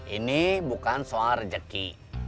ini bukan soal rejeki